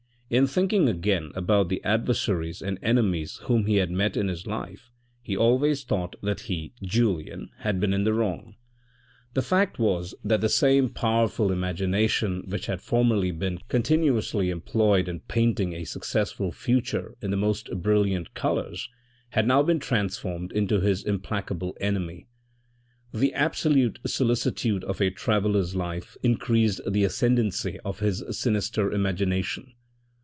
In thinking again about the adversaries and enemies whom he had met in his life he always thought that he, Julien, had been in the wrong. The fact was 26 4o2 THE RED AND THE BLACK that the same powerful imagination which had formerly been continuously employed in painting a successful future in the most brilliant colours had now been transformed into his implacable enemy. The absolute solicitude of a traveller's life increased the ascendancy of this sinister imagination.